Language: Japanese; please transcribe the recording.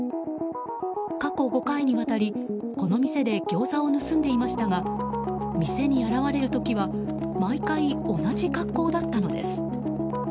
過去５回にわたり、この店でギョーザを盗んでいましたが店に現れる時は毎回、同じ格好だったのです。